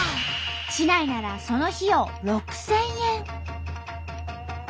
市内ならその費用６，０００円。